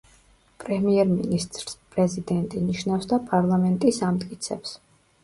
პრემიერ-მინისტრს პრეზიდენტის ნიშნავს და პარლამენტის ამტკიცებს.